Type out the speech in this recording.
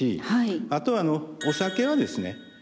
あとお酒はですね